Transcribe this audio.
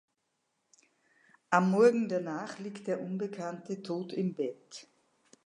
Am morgen danach liegt der Unbekannte tot im Bett.